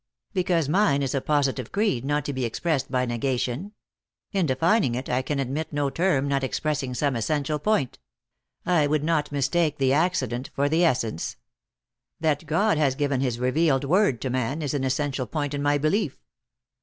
" Because mine is a positive creed, not to be ex pressed by negation. In defining it, I can admit no term not expressing some essential point. I would not mistake the accident for the essence. That God has given his revealed word to man, is an essential point in my belief.